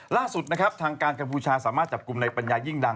ล่าสุดนะครับทางการกัมพูชาสามารถจับกลุ่มในปัญญายิ่งดัง